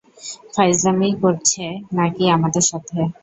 ফাইজলামি করছে নাকি আমাদের সাথে?